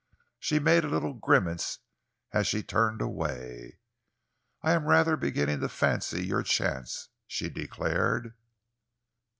She made a little grimace as she turned away. "I am rather beginning to fancy your chance," she declared.